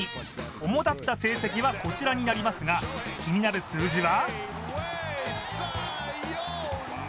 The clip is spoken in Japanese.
主立った成績はこちらになりますが気になる数字は？